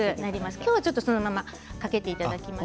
今日は、そのままかけていただきます。